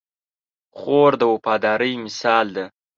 خور د وفادارۍ مثال ده.